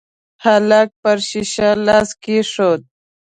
هلک پر شيشه لاس کېښود.